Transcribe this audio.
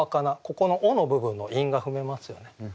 ここの「お」の部分の韻が踏めますよね。